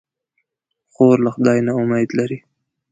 خور له خدای نه امید لري.